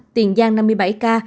tiền giang năm mươi bảy ca